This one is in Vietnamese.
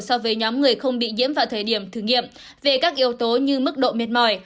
so với nhóm người không bị nhiễm vào thời điểm thử nghiệm về các yếu tố như mức độ mệt mỏi